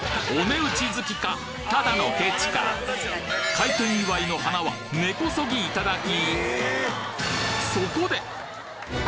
開店祝いの花は根こそぎいただき！